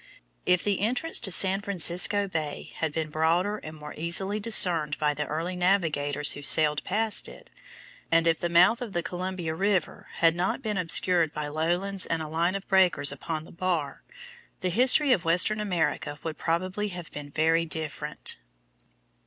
If the entrance to San Francisco Bay had been broader and more easily discerned by the early navigators who sailed past it, and if the mouth of the Columbia River had not been obscured by lowlands and a line of breakers upon the bar, the history of western America would probably have been very different.